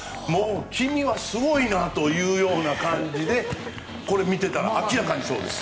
君はすごいなというような感じでこれ、見てたら明らかにそうです。